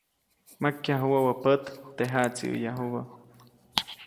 Makyaju wäwä pät, teʼ jaʼtsiʼäyajubä.